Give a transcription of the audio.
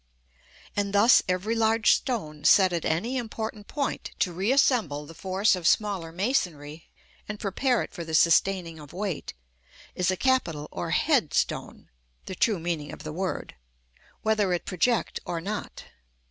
And thus every large stone set at any important point to reassemble the force of smaller masonry and prepare it for the sustaining of weight, is a capital or "head" stone (the true meaning of the word) whether it project or not.